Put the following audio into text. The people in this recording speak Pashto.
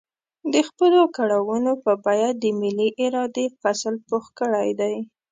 د خپلو کړاوونو په بيه د ملي ارادې فصل پوخ کړی دی.